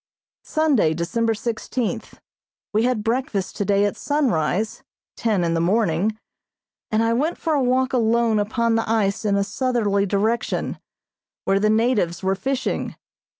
Sunday, December sixteenth: We had breakfast today at sunrise (ten in the morning) and I went for a walk alone upon the ice in a southerly direction, where the natives were fishing.